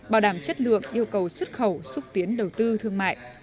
bảo đảm chất lượng yêu cầu xuất khẩu xúc tiến đầu tư thương mại